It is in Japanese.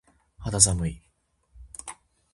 肌寒い。